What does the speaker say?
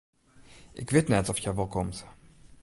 Ik wit net oft hja wol komt.